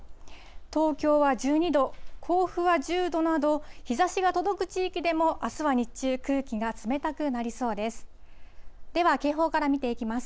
東京は１２度、甲府は１０度など、日ざしが届く地域でも、朝は日中、空気が冷たくなりそうです。